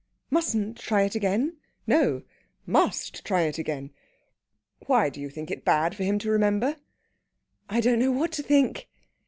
"Mustn't try it again?" "No must try it again. Why, do you think it bad for him to remember?" "I don't know what to think."